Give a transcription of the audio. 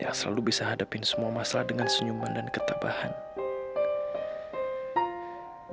yang selalu bisa hadapin semua masalah dengan senyuman dan ketabahan